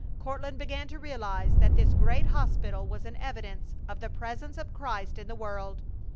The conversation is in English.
Courtland began to realize that this great hospital was an evidence of the Presence of Christ in the world!